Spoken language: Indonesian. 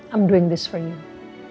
aku buat ini buat kamu